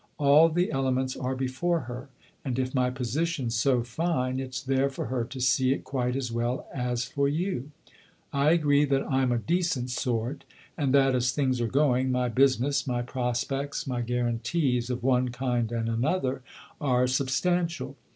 All the elements are before her, and if my position's so fine it's there for her to see it quite as well as for you. I agree that I'm a decent sort, and that, as things are going, my 140 THE OTHER HOUSE business, my prospects, my guarantees of one kind and another, are substantial.